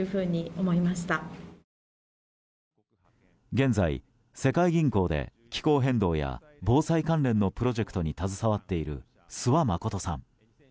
現在、世界銀行で気候変動や防災関連のプロジェクトに携わっている諏訪理さん。